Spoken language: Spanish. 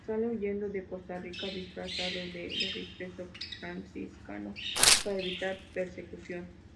Sale huyendo de Costa Rica disfrazado de religioso franciscano para evitar persecución.